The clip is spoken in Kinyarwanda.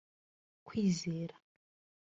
Kwizera